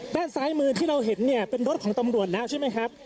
ด้านซ้ายมือที่เราเห็นเนี่ยเป็นรถของตำรวจแล้วใช่ไหมครับ